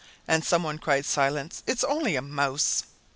And some one cried "Silence! it's only a mouse!"